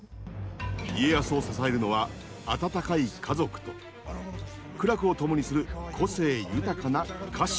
家康を支えるのは温かい家族と苦楽を共にする個性豊かな家臣たち。